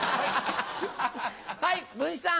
はい文枝さん。